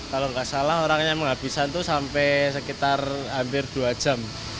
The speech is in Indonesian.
kalau nggak salah orang yang menghabiskan itu sampai sekitar hampir dua jam